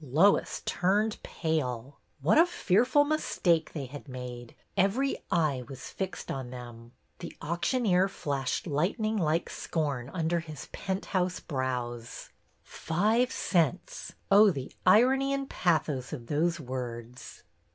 Lois turned pale. What a fearful mistake they had made! Every eye was fixed on them. The auctioneer flashed lightning like scorn under his penthouse brows. " Five cents !" Oh, the irony and pathos of those words!